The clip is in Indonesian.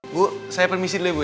bu saya permisi dulu